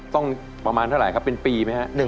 ต้องประมาณเท่าไรครับเป็นปีไหมฮะ